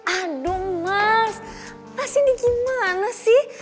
aduh mas mas ini gimana sih